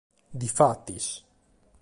Difatis.